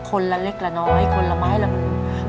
คนละเล็กละน้อยคนละไม้ละมุม